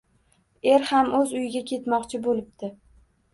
Er ham o‘z uyiga ketmoqchi bo‘libdi.